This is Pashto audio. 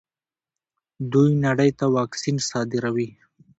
دوی نړۍ ته واکسین صادروي.